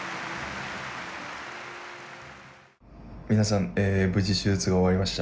皆さん無事手術が終わりました。